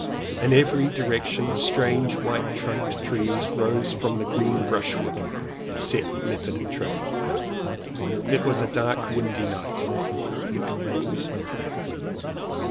In every direction strange white trunked trees rose from the green brushwood. Set leopard trap. It was a dark windy night.